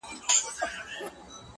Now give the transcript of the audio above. ښاخ پر ښاخ پورته کېدى د هسک و لورته.!